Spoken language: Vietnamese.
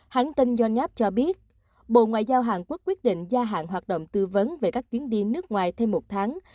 hãng tin yonv cho biết bộ ngoại giao hàn quốc quyết định gia hạn hoạt động tư vấn về các chuyến đi nước ngoài thêm một tháng